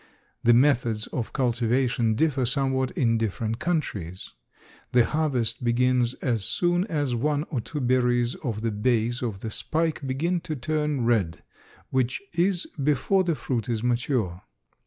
The methods of cultivation differ somewhat in different countries. The harvest begins as soon as one or two berries of the base of the spike begin to turn red, which is before the fruit is mature.